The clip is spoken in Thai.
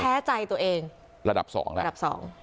แท้ใจตัวเองระดับสองระดับสอง